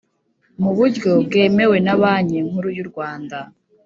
mu buryo bwemewe na Banki Nkuru y urwanda